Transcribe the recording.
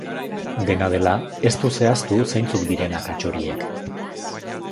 Dena dela, ez du zehaztu zeintzuk diren akats horiek.